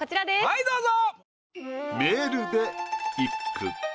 はいどうぞ。